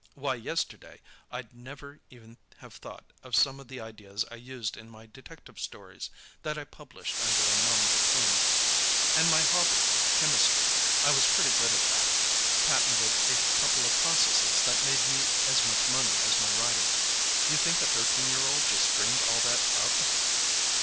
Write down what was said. Why, yesterday I'd never even have thought of some of the ideas I used in my detective stories, that I published under a nom de plume. And my hobby, chemistry; I was pretty good at that. Patented a couple of processes that made me as much money as my writing. You think a thirteen year old just dreamed all that up?